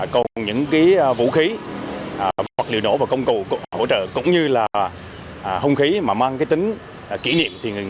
còn những vũ khí vật liệu nổ và công cụ hỗ trợ cũng như là hung khí mà mang cái tính kỷ niệm